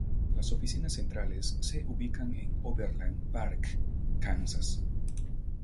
Las oficinas centrales se ubican en Overland Park, Kansas.